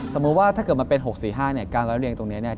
สมมุติว่าถ้าเกิดมันเป็น๖๔๕เนี่ยการร้อยเรียงตรงนี้เนี่ย